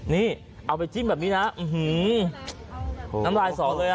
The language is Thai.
นี่เอาไปจิ้มแบบนี้นะน้ำลายสอเลยอ่ะ